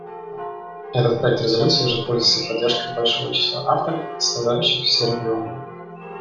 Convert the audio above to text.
Этот проект резолюции уже пользуется поддержкой большого числа авторов, представляющих все регионы.